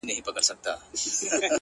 د جلا حُسن چيرمني” د جلا ښايست خاوندي”